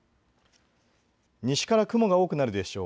西から雲が多くなるでしょう。